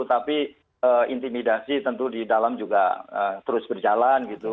tapi intimidasi tentu di dalam juga terus berjalan gitu